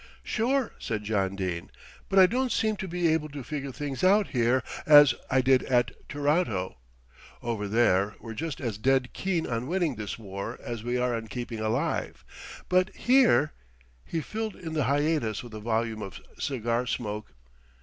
"Sure," said John Dene; "but I don't seem to be able to figure things out here as I did at T'ronto. Over there we're just as dead keen on winning this war as we are on keeping alive; but here " He filled in the hiatus with a volume of cigar smoke.